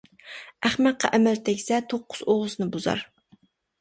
ئەخمەققە ئەمەل تەگسە توققۇز ئوغۇزنى بۇزار.